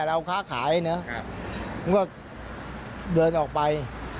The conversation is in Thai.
เราค้าขายเนอะมันก็เดินออกไป